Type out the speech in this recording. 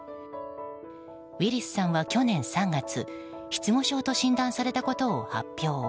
ウィリスさんは、去年３月失語症と診断されたことを発表。